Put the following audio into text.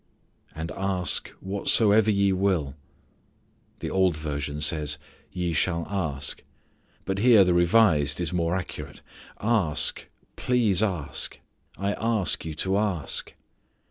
" Ask whatsoever ye will " The Old Version says, "ye shall ask." But here the revised is more accurate: "Ask; please ask; I ask you to ask."